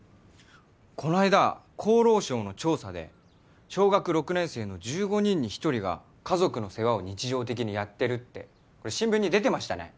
この間厚労省の調査で小学６年生の１５人に１人が家族の世話を日常的にやってるって新聞に出てましたね。